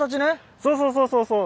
そうそうそうそう。